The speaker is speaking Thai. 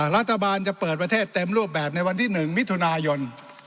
รัฐบาลจะเปิดประเทศเต็มรูปแบบในวันที่๑มิถุนายน